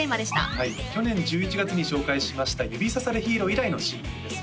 はい去年１１月に紹介しました「指さされヒーロー」以来のシングルです